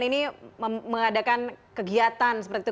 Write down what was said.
ini mengadakan kegiatan seperti itu